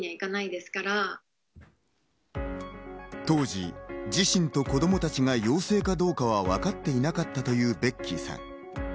当時、自身と子供たちが陽性かどうかは分かっていなかったというベッキーさん。